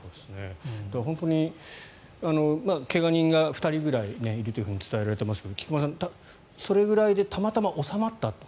本当に怪我人が２人ぐらいいると伝えられていますが菊間さん、それぐらいでたまたま収まった。